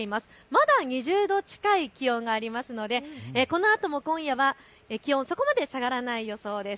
まだ２０度近い気温がありますので、このあとも今夜は気温、そこまで下がらない予想です。